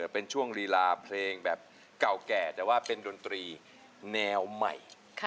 เป็นช่วงลีลาเพลงแบบเก่าแก่แต่ว่าเป็นดนตรีแนวใหม่